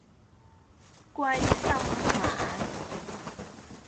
歸心馬